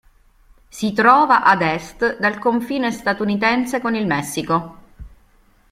Si trova ad est dal confine statunitense con il Messico.